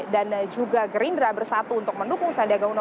dan juga geri indra bersatu untuk mendukung sandiaga uno